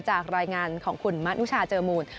จากรายงานของคุณมะนุชาเจอมูล